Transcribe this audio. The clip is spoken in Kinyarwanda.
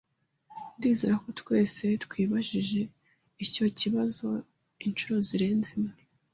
Ndizera ko twese twibajije icyo kibazo inshuro zirenze imwe.